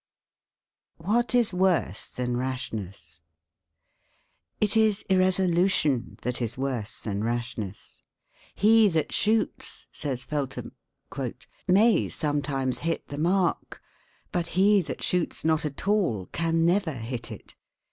WHAT IS WORSE THAN RASHNESS It is irresolution that is worse than rashness. "He that shoots," says Feltham, "may sometimes hit the mark; but he that shoots not at all can never hit it.